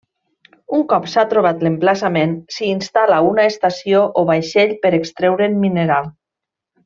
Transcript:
Un cop s'ha trobat l'emplaçament, s'hi instal·la una estació o vaixell per extreure'n mineral.